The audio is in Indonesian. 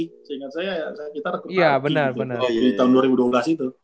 seingat saya kita rekrut lagi di tahun dua ribu dua belas itu